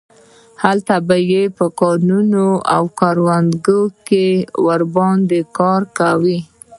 هلته به یې په کانونو او کروندو کې کار ورباندې کاوه.